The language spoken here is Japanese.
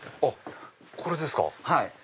これですか。